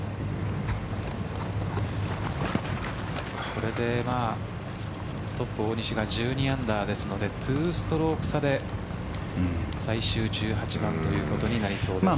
これでトップの大西が１２アンダーですので２ストローク差で最終１８番となりそうです。